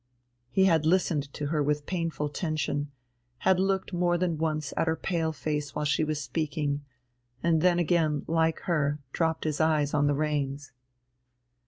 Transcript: He had listened to her with painful tension, had looked more than once at her pale face while she was speaking, and then again, like her, dropped his eyes on the reins.